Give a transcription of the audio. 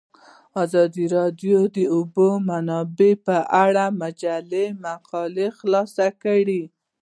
ازادي راډیو د د اوبو منابع په اړه د مجلو مقالو خلاصه کړې.